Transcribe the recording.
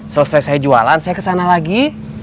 selesai saya jualan saya kesana lagi